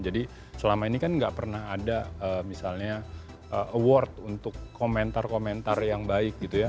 jadi selama ini kan gak pernah ada misalnya award untuk komentar komentar yang baik gitu